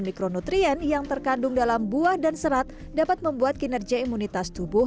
mikronutrien yang terkandung dalam buah dan serat dapat membuat kinerja imunitas tubuh